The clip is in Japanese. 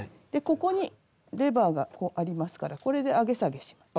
ここにレバーがこうありますからこれで上げ下げします。